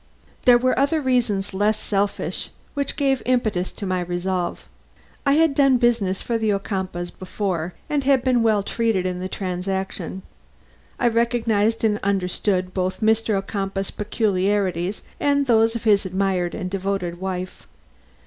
There were other reasons less selfish which gave impetus to my resolve. I had done business for the Ocumpaughs before and been well treated in the transaction. I recognized and understood both Mr. Ocumpaugh's peculiarities and those of his admired and devoted wife.